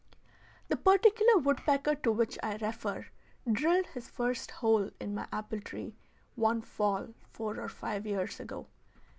The particular woodpecker to which I refer drilled his first hole in my apple tree one fall four or five years ago.